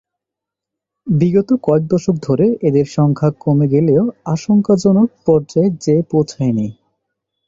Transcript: বিগত কয়েক দশক ধরে এদের সংখ্যা কমে গেলেও আশঙ্কাজনক পর্যায়ে যেয়ে পৌঁছায় নি।